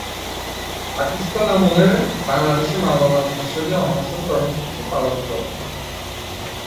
পাকিস্তান আমলে বাংলাদেশে মওলানা ভাসানী অনশন কর্মসূচি পালন করেন।